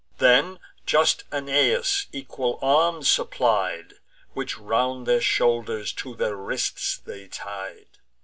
Then just Aeneas equal arms supplied, Which round their shoulders to their wrists they tied.